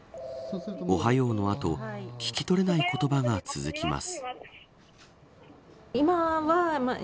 おはようの後、聞き取れない言葉が続きます。